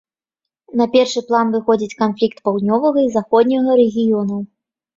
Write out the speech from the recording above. На першы план выходзяць канфлікт паўднёвага і заходняга рэгіёнаў.